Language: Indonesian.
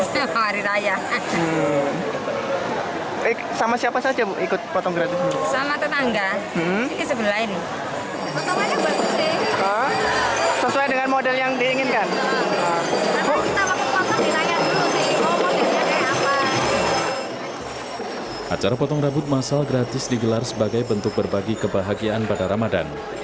pemangkas rambut masal digelar sebagai bentuk berbagi kebahagiaan pada ramadan